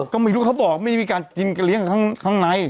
ก็ไม่รู้เขาบอกไม่มีการกินกระเลี้ยงข้างใน